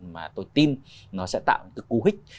mà tôi tin nó sẽ tạo một cái cú hích